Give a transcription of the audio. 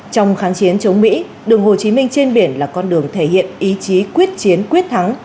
trong kháng chiến chống mỹ đường hồ chí minh trên biển là con đường thể hiện ý chí quyết chiến quyết thắng